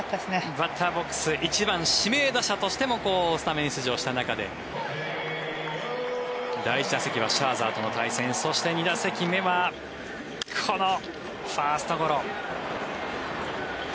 バッターボックス１番ＤＨとしてスタメン出場した中で第１打席はシャーザーとの対戦そして２打席目はこのファーストゴロ。